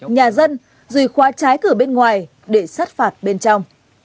nhà dân rồi khóa trái cửa bên ngoài để sát phạt bên trong